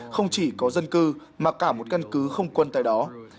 không chỉ có dân cư mà cả một căn cứ không quân tại đó